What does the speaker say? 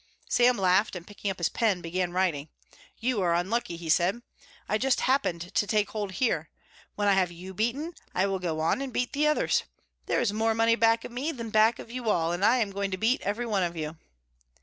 Sam laughed and picking up his pen began writing. "You are unlucky," he said. "I just happened to take hold here. When I have you beaten I will go on and beat the others. There is more money back of me than back of you all, and I am going to beat every one of you."